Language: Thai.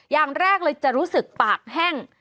อย่างแรกเลยจะรู้สึกปากแห้ง